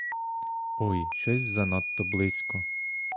Ой, щось занадто близько!